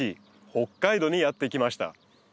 北海道にやって来ました。